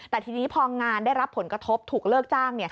แต่ทีนี้พองานได้รับผลกระทบถูกเลิกจ้าง